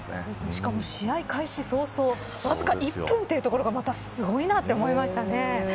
しかも試合開始早々わずか１分というのがすごいなと思いましたね。